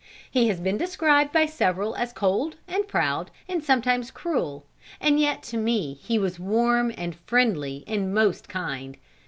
He has been described by several as cold, and proud, and sometimes cruel; and yet to me he was warm, and friendly, and most kind.